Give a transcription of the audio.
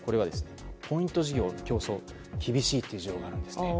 ポイント事業の競争が厳しいという事情があるんです。